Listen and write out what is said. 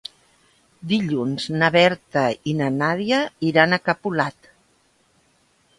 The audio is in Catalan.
Dilluns na Berta i na Nàdia iran a Capolat.